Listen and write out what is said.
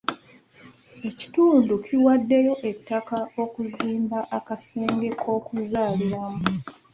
Ekitundu kiwaddeyo ettaka okuzimba akasenge k'okuzaaliramu.